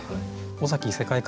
尾崎異世界観。